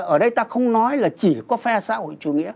ở đây ta không nói là chỉ có phe xã hội chủ nghĩa